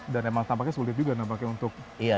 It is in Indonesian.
dan emang tampaknya sulit juga untuk ini semua